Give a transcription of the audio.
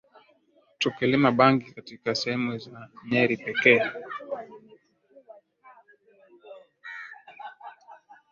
Tukilima bangi katika sehemu za Nyeri pekee